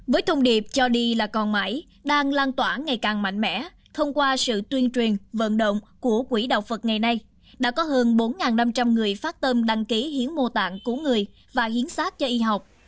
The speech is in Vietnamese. với thông điệp cho đi là còn mãi đang lan tỏa ngày càng mạnh mẽ thông qua sự tuyên truyền vận động của quỹ đạo phật ngày nay đã có hơn bốn năm trăm linh người phát tâm đăng ký hiến mô tạng cứu người và hiến sát cho y học